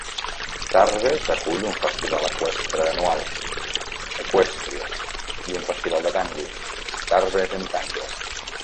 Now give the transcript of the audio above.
Tarbes acull un festival eqüestre anual, Equestria, i un festival de tango, Tarbes en Tango.